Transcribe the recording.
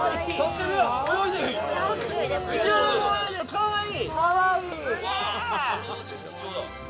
かわいい！